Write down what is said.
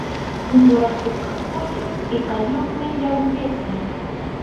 Yuraq puka kulli tʼikayuqmi llawlliqa.